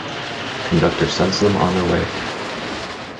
Conductor sends them on their way.